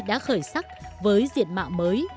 đã khởi sắc với diện mạo mới